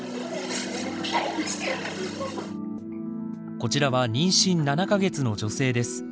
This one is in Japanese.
こちらは妊娠７か月の女性です。